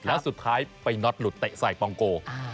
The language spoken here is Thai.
แล้วสุดท้ายไปน็อตหลุดเตะใส่ปองโก